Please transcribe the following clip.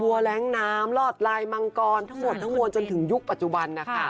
บัวแร้งน้ำรอดลายมังกรทั้งหมดจนถึงยุคปัจจุบันนะคะ